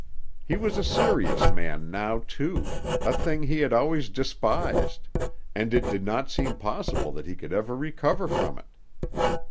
He was a serious man now, too, a thing he had always despised, and it did not seem possible that he could ever recover from it.